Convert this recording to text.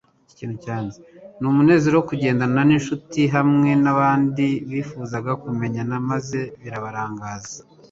n'umunezero wo kugendana n'inshuti hamwe n'abandi bifuzaga kumenyana maze birabarangaza